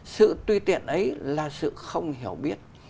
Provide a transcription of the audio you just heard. sự tùy tiện ấy là sự không hiểu biết